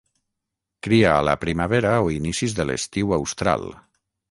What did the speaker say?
Cria a la primavera o inicis de l'estiu austral.